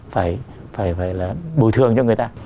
phải là bồi thường cho người ta